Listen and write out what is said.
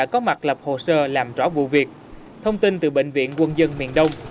có thông tin từ bệnh viện quân dân miền đông